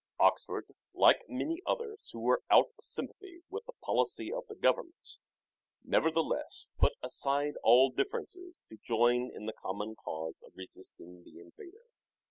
Oxford, like many others who were out of sympathy with the policy of the government, nevertheless put aside all differences to join in the common cause of resisting the invader.